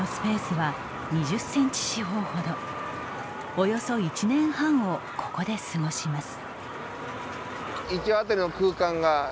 およそ１年半をここで過ごします。